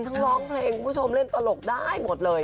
ร้องเพลงคุณผู้ชมเล่นตลกได้หมดเลย